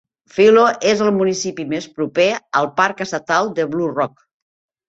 Philo és el municipi més proper al Parc Estatal de Blue Rock.